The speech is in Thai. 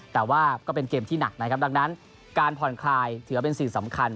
แต่ว่าก็เป็นเกมที่หนักนะครับดังนั้นการผ่อนคลายถือว่าเป็นสิ่งสำคัญ